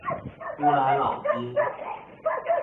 烏來老街